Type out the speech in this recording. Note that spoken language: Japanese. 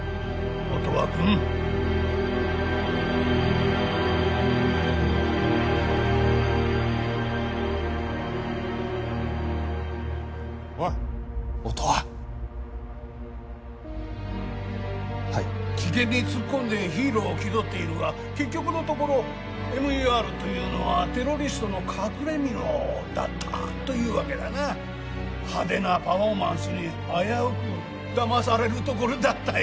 音羽君おい音羽はい危険に突っ込んでヒーローを気取っているが結局のところＭＥＲというのはテロリストの隠れ蓑だったというわけだな派手なパフォーマンスに危うくだまされるところだったよ